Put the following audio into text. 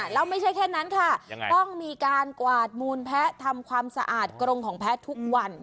แล้วไม่ใช่แค่นั้นค่ะต้องมีการกวาดมูลแพ้ทำความสะอาดกรงของแพ้ทุกวัน